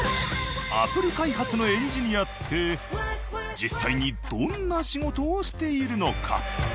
アプリ開発のエンジニアって実際にどんな仕事をしているのか？